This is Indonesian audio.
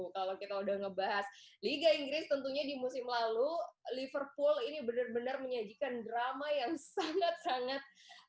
kalau kita udah ngebahas liga inggris tentunya di musim lalu liverpool ini benar benar menyajikan drama yang sangat sangat